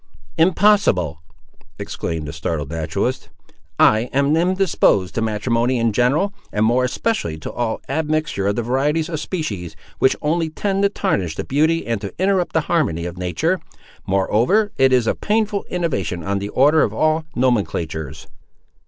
"Impossible!" exclaimed the startled naturalist. "I am indisposed to matrimony in general, and more especially to all admixture of the varieties of species, which only tend to tarnish the beauty and to interrupt the harmony of nature. Moreover, it is a painful innovation on the order of all nomenclatures."